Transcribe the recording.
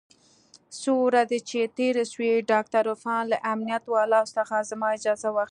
څو ورځې چې تېرې سوې ډاکتر عرفان له امنيت والاو څخه زما اجازه واخيسته.